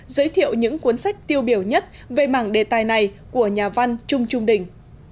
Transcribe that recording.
giới thiệu những cuốn sách tiêu biểu nhất về mảng đề tài này của nhà văn trung trung đình